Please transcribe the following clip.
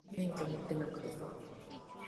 在臺灣地區無戶籍國民